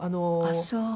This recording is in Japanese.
ああそう。